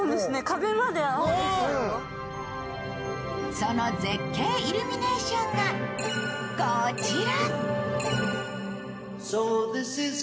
その絶景イルミネーションがこちら。